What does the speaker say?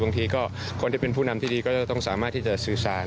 บางทีก็คนที่เป็นผู้นำที่ดีก็จะต้องสามารถที่จะสื่อสาร